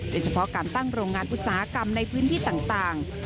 โดยเฉพาะการตั้งโรงงานอุตสาหกรรมในพื้นที่ต่าง